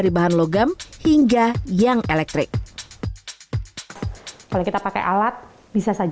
sebelah handphone disini menunggu dan tinggal semua file pol wunder x odd ripped